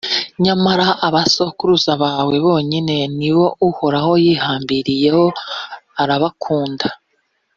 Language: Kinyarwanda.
nyamara abasokuruza bawe bonyine ni bo uhoraho yihambiriyeho arabakunda;